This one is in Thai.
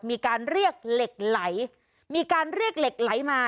มีการเรียกเหล็กไหลมีการเรียกเหล็กไหลมา